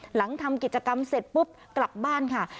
หลังทำกิจกรรมเสร็จปุ๊บกลับบ้านค่ะ